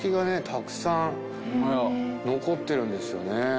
たくさん残ってるんですよね。